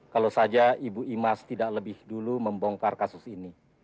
kalau saja ibu imas tidak lebih dulu membongkar kasus ini